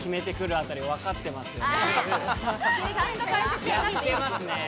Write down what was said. やってますね。